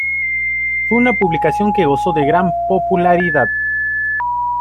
Fue una publicación que gozó de gran popularidad.